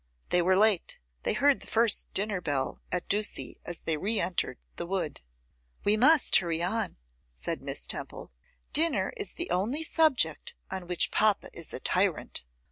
They were late; they heard the first dinner bell at Ducie as they re entered the wood. 'We must hurry on,' said Miss Temple; 'dinner is the only subject on which papa is a tyrant.